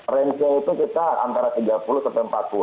range nya itu kita antara tiga puluh sampai empat puluh